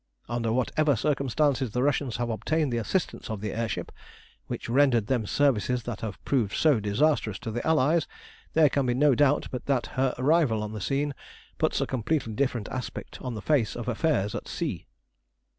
Under whatever circumstances the Russians have obtained the assistance of the air ship, which rendered them services that have proved so disastrous to the Allies, there can be no doubt but that her arrival on the scene puts a completely different aspect on the face of affairs at sea.